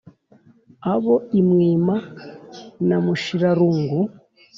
abo i mwima na mushirarungu